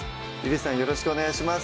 よろしくお願いします